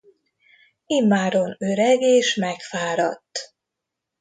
Immáron öreg és megfáradt.